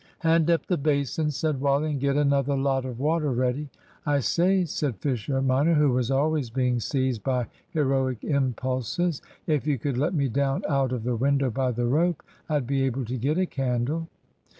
"Hand up the basin," said Wally, "and get another lot of water ready." "I say," said Fisher minor, who was always being seized by heroic impulses, "if you could let me down out of the window by the rope, I'd be able to get a candle."